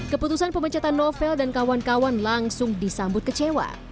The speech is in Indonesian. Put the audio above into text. keputusan pemecatan novel dan kawan kawan langsung disambut kecewa